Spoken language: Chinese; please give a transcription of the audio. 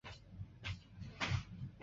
曾祖父兰从政。